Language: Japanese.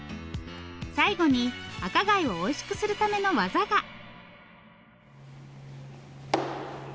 最後に赤貝をおいしくするための技が。